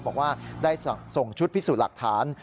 บอกว่าได้ส่งชุดพิสูจน์หลักฐาน